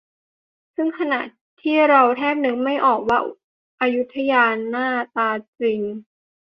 ซึ่งขณะที่เราแทบนึกไม่ออกว่าอยุธยาหน้าตาจริง